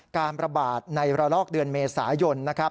การประบาดในระลอกเดือนเมษายนนะครับ